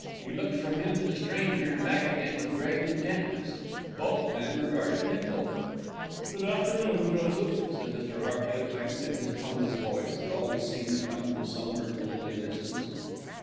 He looked from him to the stranger and back again with grave intentness. Both men regarded Bindle. "Good afternoon, Joseph," said Mr. Hearty at length in his toneless voice, that always seemed to come from somewhere in the woolly distance.